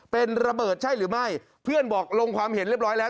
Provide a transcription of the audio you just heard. เป็นระเบิดใช่หรือไม่เพื่อนบอกลงความเห็นเรียบร้อยแล้ว